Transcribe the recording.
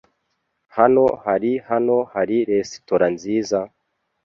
Hano hari hano hari resitora nziza?